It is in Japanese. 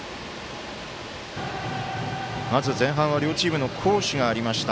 まず前半は両チームの好守がありました。